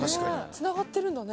つながってるんだね。